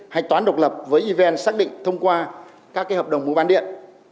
hạch toán độc lập với evn xác định thông qua các hợp đồng mua bán điện